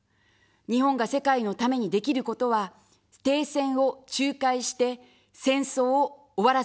日本が世界のためにできることは、停戦を仲介して戦争を終わらせることです。